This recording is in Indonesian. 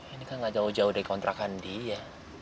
ini kan gak jauh jauh dari kontrakan dia